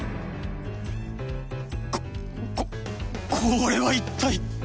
こここれは一体